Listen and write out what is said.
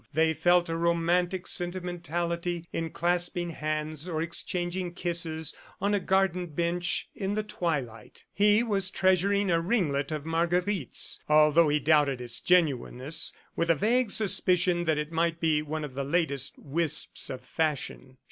They felt a romantic sentimentality in clasping hands or exchanging kisses on a garden bench in the twilight. He was treasuring a ringlet of Marguerite's although he doubted its genuineness, with a vague suspicion that it might be one of the latest wisps of fashion.